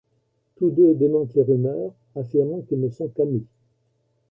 Tous deux démentent les rumeurs, affirmant qu’ils ne sont qu’amis.